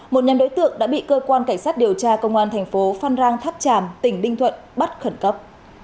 một nhóm đối tượng đã bị cơ quan cảnh sát điều tra công an thành phố phan rang tháp tràm tỉnh ninh thuận bắt khẩn cấp